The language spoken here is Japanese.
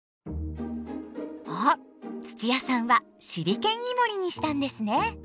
あっ土屋さんはシリケンイモリにしたんですね。